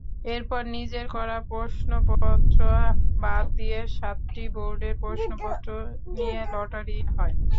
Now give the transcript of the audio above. এরপর নিজের করা প্রশ্নপত্র বাদ দিয়ে সাতটি বোর্ডের প্রশ্নপত্র নিয়ে লটারি হয়।